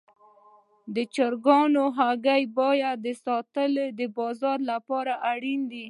د چرګانو هګۍ پاک ساتل د بازار لپاره اړین دي.